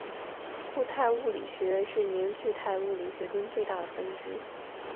固体物理学是凝聚态物理学中最大的分支。